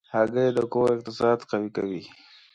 هګۍ د کور اقتصاد قوي کوي.